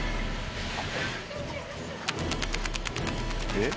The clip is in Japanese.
えっ？